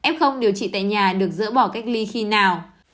f điều trị tại nhà được dỡ bỏ cách ly khi nào